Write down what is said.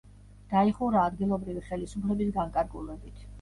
დაიხურა ადგილობრივი ხელისუფლების განკარგულებით.